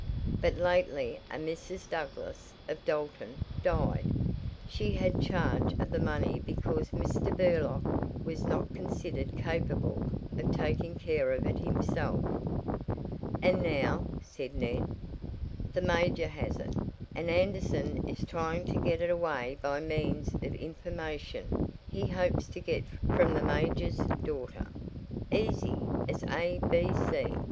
But lately a Mrs. Douglass, of Dalton, died; she had charge of the money because Mr. Burlock was not considered capable of taking care of it himself." "And now," said Ned, "the major has it, and Anderson is trying to get it away by means of information he hopes to get from the major's daughter? Easy as a, b, c.